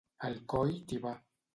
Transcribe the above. El coll t'hi va.